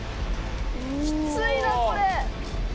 きついなこれ。